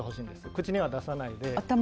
口には出さないで。